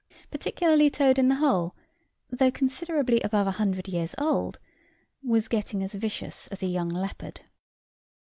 Particularly Toad in the hole, though considerably above a hundred years old, was getting as vicious as a young leopard.